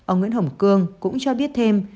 ông nguyễn hồng cương cũng cho biết thêm